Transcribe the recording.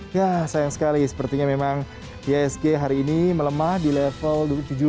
ya sayang sekali sepertinya memang isg hari ini melemah di level tujuh ribu dua ratus sebelas